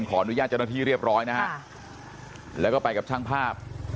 ขออนุญาตเจ้าหน้าที่เรียบร้อยนะฮะแล้วก็ไปกับช่างภาพ